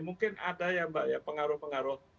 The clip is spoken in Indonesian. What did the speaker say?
mungkin ada ya mbak ya pengaruh pengaruh